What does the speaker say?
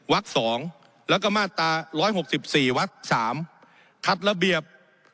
วัก๒แล้วก็มาตรา๑๖๔วัก๓ขัดระเบียบ